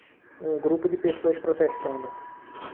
Um grupo de pessoas protestando.